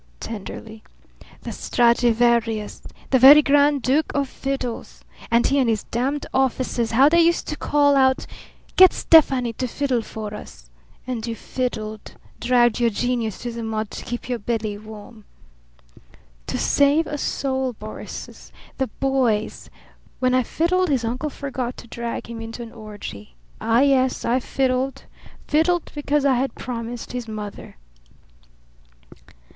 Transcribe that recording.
tenderly. "The Stradivarius the very grand duke of fiddles! And he and his damned officers, how they used to call out 'Get Stefani to fiddle for us!' And you fiddled, dragged your genius though the mud to keep your belly warm!" "To save a soul, Boris the boy's. When I fiddled his uncle forgot to drag him into an orgy. Ah, yes; I fiddled, fiddled because I had promised his mother!"